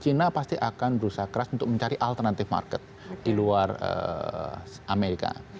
china pasti akan berusaha keras untuk mencari alternatif market di luar amerika